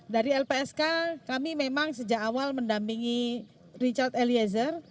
dari lpsk kami memang sejak awal mendampingi richard eliezer